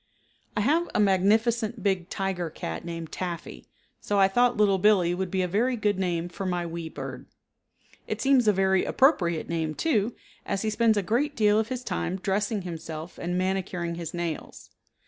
I have a magnificent big tiger cat named Taffy, so I thought Little Billee would be a very good name for my wee bird. It seems a very appropriate name too, as he spends a great deal of his time dressing himself and manicuring his nails.